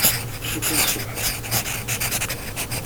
D acu kan sbeḥ-a.